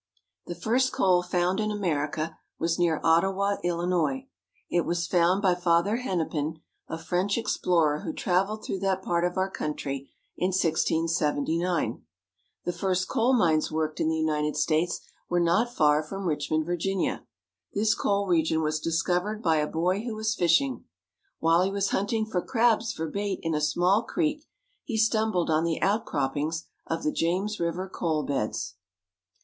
The first coal found in America was near Ottawa, Illinois. It was found by Father Hennepin, a French explorer who traveled through that part of our country in 1679. The first coal mines worked in the United States were not far from Richmond, Virginia. This coal region was discovered by a boy who was fishing. While he was hunt ing for crabs for bait in a small creek, he stumbled on the outcroppings of the James River coal beds.